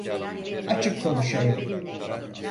Açık konuşayım.